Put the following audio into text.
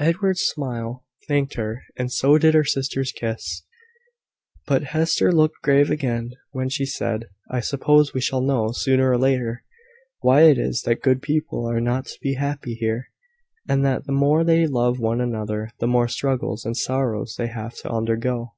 Edward's smile thanked her, and so did her sister's kiss. But Hester looked grave again when she said "I suppose we shall know, sooner or later, why it is that good people are not to be happy here, and that the more they love one another, the more struggles and sorrows they have to undergo."